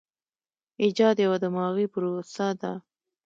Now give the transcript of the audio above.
ایجاد یوه دماغي پروسه ده.